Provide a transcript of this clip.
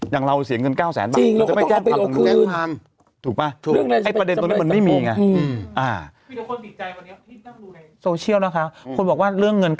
อย่างเราเสียเงินเก้าแสนใบจริง